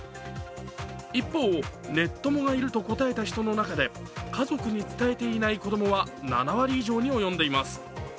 一方、ネッ友がいると答えた人の中で家族に伝えていない子供は７割以上に及んでいます。